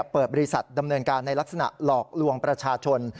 เปิดบริษัทดำเนินการในลักษณะหลอกลวงประชาชน